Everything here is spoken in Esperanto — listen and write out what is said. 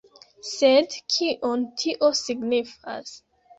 Sed kion tio signifas?